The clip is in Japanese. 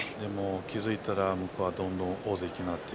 気付いたら向こうはどんどん大関。